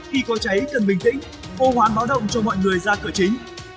khi có cháy cần bình tĩnh hô hoán báo động cho mọi người ra cửa chính